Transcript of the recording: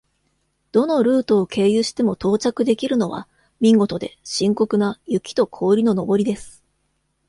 どのルートを経由しても到着できるのは、「見事で深刻な雪と氷の登り」です。